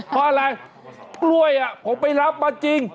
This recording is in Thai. เพราะอะไรกล้วยผมไปรับมาจริง